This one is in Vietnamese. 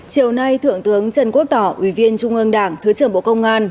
chiều nay thượng tướng trần quốc tỏ ủy viên trung ương đảng thứ trưởng bộ công an